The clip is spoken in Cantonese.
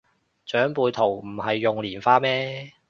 長輩圖唔係用蓮花咩